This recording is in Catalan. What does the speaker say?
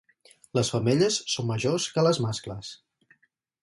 Les femelles són majors que les mascles.